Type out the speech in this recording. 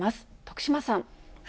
徳島さん。